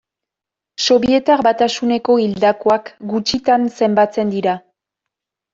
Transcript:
Sobietar Batasuneko hildakoak gutxitan zenbatzen dira.